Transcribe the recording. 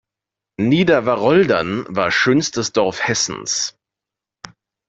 Nieder-Waroldern war schönstes Dorf Hessens.